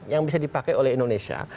yang bisa dipakai oleh indonesia